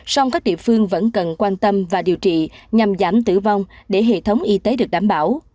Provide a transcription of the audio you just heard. song các địa phương vẫn cần quan tâm và điều trị nhằm giảm tử vong để hệ thống y tế được đảm bảo